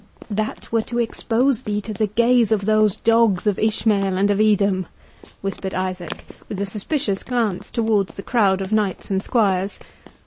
"That were to expose thee to the gaze of those dogs of Ishmael and of Edom," whispered Isaac, with a suspicious glance towards the crowd of knights and squires.